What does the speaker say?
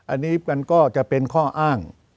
อันนี้มันก็จะเป็นข้ออ้าง